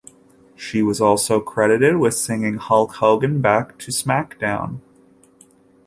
She was also credited with signing Hulk Hogan back to SmackDown!